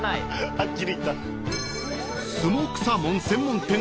はっきり言った。